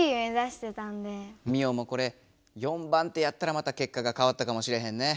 ミオもこれ４番手やったらまたけっかがかわったかもしれへんね。